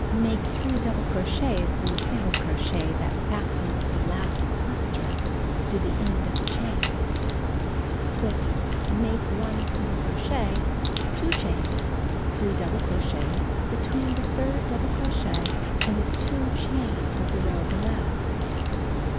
Make 3 double crochets in the single crochet that fastened the last cluster to the end of the chain. (See picture.) 6. Make 1 single crochet, 2 chains, 3 double crochets between the third double crochet and the 2 chains of the row below.